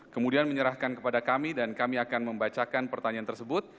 kemudian menyerahkan kepada kami dan kami akan membacakan pertanyaan tersebut